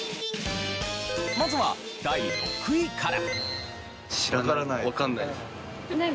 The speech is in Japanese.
まずは第６位から。